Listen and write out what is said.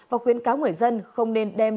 và khuyến cáo người dân không nên đem